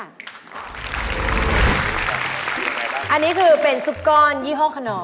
อันนี้คือเป็นซุปก้อนยี่ห้อขนอง